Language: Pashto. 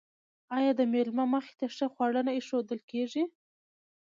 آیا د میلمه مخې ته ښه خواړه نه ایښودل کیږي؟